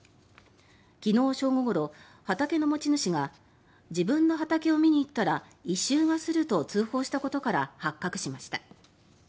昨日正午ごろ、畑の持ち主が自分の畑を見に行ったら異臭がすると通報したことから発覚しました。